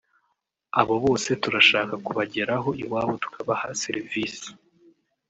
abo bose turashaka kubageraho iwabo tukabaha serivisi”